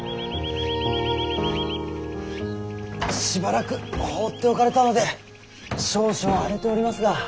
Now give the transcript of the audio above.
しばらく放っておかれたので少々荒れておりますが。